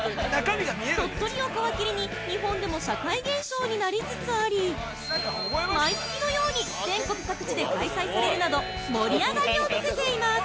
鳥取を皮切りに日本でも社会現象になりつつあり毎月のように全国各地で開催されるなど盛り上がりを見せています。